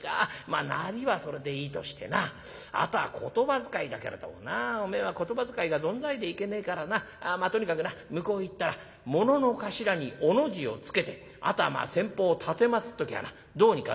まあなりはそれでいいとしてなあとは言葉遣いだけれどもなおめえは言葉遣いがぞんざいでいけねえからなとにかくな向こう行ったらものの頭に『お』の字をつけてあとはまあ先方を奉っておきゃあなどうにかなるから」。